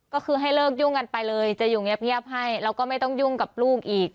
ก็คือให้เลิกยุ่งกันไปเลยจะอยู่เงียบให้แล้วก็ไม่ต้องยุ่งกับลูกอีก